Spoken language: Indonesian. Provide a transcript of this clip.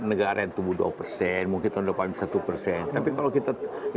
negara yang tumbuh dua persen mungkin tahun depan satu persen tapi kalau kita